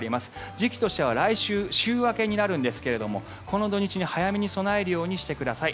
時期としては来週週明けになるんですがこの土日に早めに備えるようにしてください。